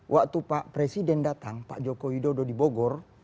waktu pak presiden datang pak joko widodo di bogor